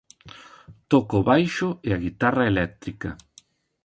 Toca o baixo e a guitarra eléctrica.